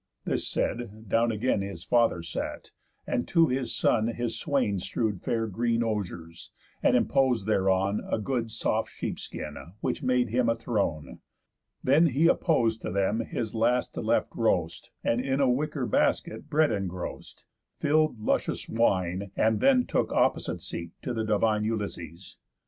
This said, down again His father sat, and to his son his swain Strew'd fair green osiers, and impos'd thereon A good soft sheepskin, which made him a throne. Then he appos'd to them his last left roast, And in a wicker basket bread engrost, Fill'd luscious wine, and then took opposite seat To the divine Ulysses.